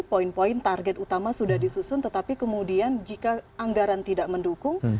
poin poin target utama sudah disusun tetapi kemudian jika anggaran tidak mendukung